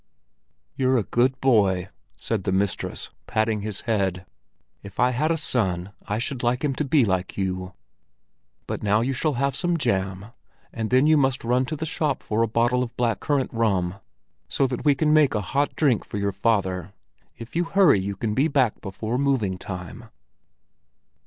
"You're a good boy!" said the mistress, patting his head. "If I had a son, I should like him to be like you. But now you shall have some jam, and then you must run to the shop for a bottle of black currant rum, so that we can make a hot drink for your father. If you hurry, you can be back before moving time."